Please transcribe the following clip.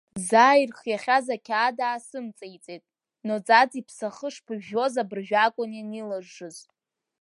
Заа ирхиахьаз ақьаад аасымҵеиҵеит, Ноӡаӡ иԥсахы шԥыжәжәоз абыржәы акәын ианилжжыз.